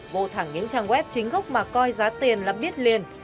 vô thẳng những trang web chính gốc mà coi giá tiền là biết liền